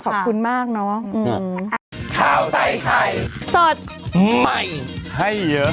ขอบคุณมากนะ